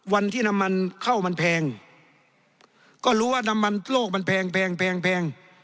วันที่น้ำมันเข้ามันแพงก็รู้ว่าน้ำมันโลกมันแพง